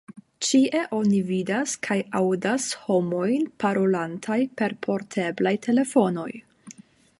Ĉie oni vidas kaj aŭdas homojn parolantaj per porteblaj telefonoj.